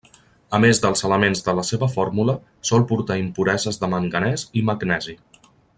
A més dels elements de la seva fórmula sol portar impureses de manganès i magnesi.